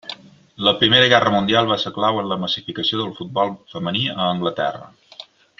La Primera Guerra Mundial va ser clau en la massificació del futbol femení a Anglaterra.